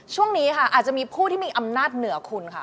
ช่วงนี้ค่ะอาจจะมีผู้ที่มีอำนาจเหนือคุณค่ะ